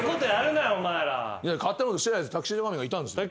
勝手なことしてないです。